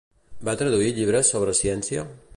Va traduir llibres sobre ciència?